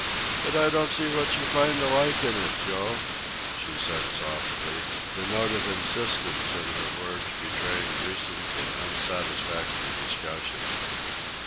"But I don't see what you find to like in it, Joe," she said softly, the note of insistence in her words betraying recent and unsatisfactory discussion.